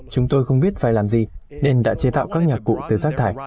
chúng tôi không biết phải làm gì nên đã chế tạo các nhạc cụ từ rác thải